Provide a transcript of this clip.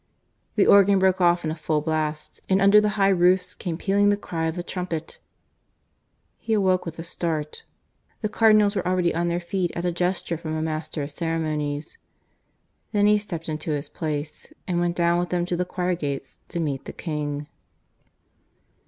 ... The organ broke off in full blast; and under the high roofs came pealing the cry of a trumpet. He awoke with a start; the Cardinals were already on their feet at a gesture from a master of ceremonies. Then he stepped into his place and went down with them to the choir gates to meet the King.